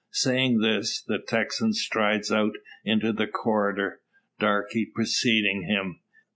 Saying this, the Texan strides out into the corridor, Darke preceding him.